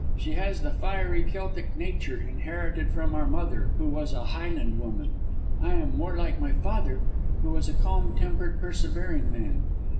She has the fiery Celtic nature inherited from our mother, who was a Highland woman. I am more like my father, who was a calm tempered, persevering man.